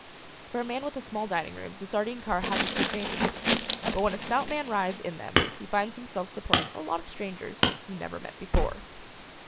For a man with a small dining room the sardine car has its advantages, but when a stout man rides in them he finds himself supporting a lot of strangers he never met before.